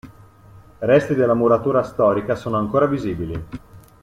Resti della muratura storica sono ancora visibili.